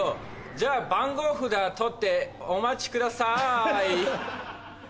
じゃあ番号札取ってお待ちください。